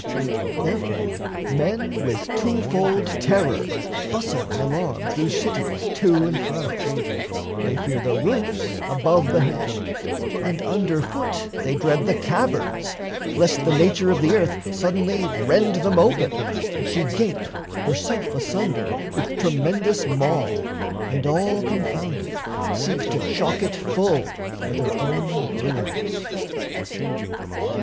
Therefore, men With two fold terror bustle in alarm Through cities to and fro: they fear the roofs Above the head; and underfoot they dread The caverns, lest the nature of the earth Suddenly rend them open, and she gape, Herself asunder, with tremendous maw, And, all confounded, seek to chock it full With her own ruins.